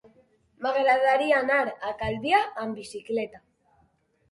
M'agradaria anar a Calvià amb bicicleta.